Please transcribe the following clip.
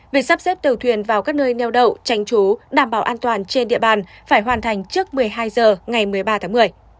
việc sắp xếp tàu thuyền vào các nơi neo đậu tranh trú đảm bảo an toàn trên địa bàn phải hoàn thành trước một mươi hai h ngày một mươi ba tháng một mươi